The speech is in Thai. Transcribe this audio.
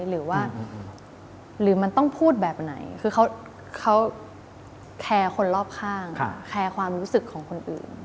หรือว่าหรือมันต้องพูดแบบไหนคือเขาแคร์คนรอบข้างแคร์ความรู้สึกของคนอื่น